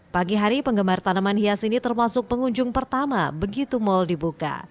pagi hari penggemar tanaman hias ini termasuk pengunjung pertama begitu mal dibuka